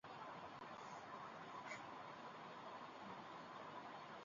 সমাজবিজ্ঞানে প্রথম "বৈজ্ঞানিক পদ্ধতি" ব্যবহারের জন্য তিনি চিরস্মরনীয় হয়ে আছেন।